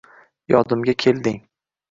yodimga kelding.